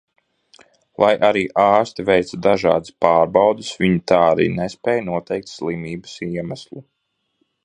Lai arī ārsti veica dažādas pārbaudes, viņi tā arī nespēja noteikt slimības iemeslu.